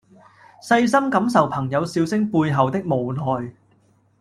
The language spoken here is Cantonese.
細心感受朋友笑聲背後的無奈